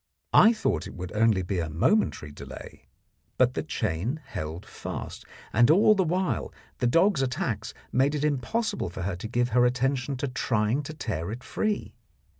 I thought it would only be a momentary delay, but the chain held fast, and all the while the dog's attacks made it impossible for her to give her attention to trying to tear it free.